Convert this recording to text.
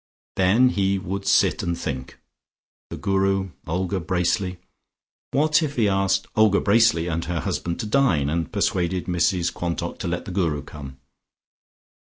Then he would sit and think ... the Guru, Olga Bracely ... What if he asked Olga Bracely and her husband to dine, and persuaded Mrs Quantock to let the Guru come?